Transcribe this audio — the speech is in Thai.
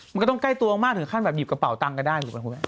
มันก็ต้องใกล้ตัวมากถึงขั้นแบบหยิบกระเป๋าตังก็ได้